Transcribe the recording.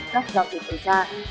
khắp giao dịch tầm xa